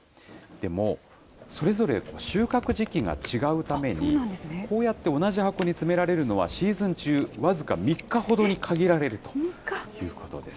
もうそれぞれ収穫時期が違うために、こうやって同じ箱に詰められるのは、シーズン中、僅か３日ほどに限られるということです。